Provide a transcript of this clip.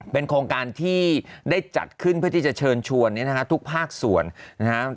เป็นโครงการที่ได้จัดขึ้นเพื่อที่จะเชิญชวนเนี่ยนะฮะทุกภาคส่วนนะครับ